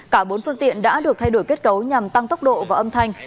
cả bốn phương tiện đã được thay đổi kết cấu nhằm tăng tốc độ và âm thanh